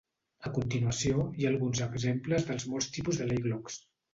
A continuació, hi ha alguns exemples dels molts tipus de leglocks.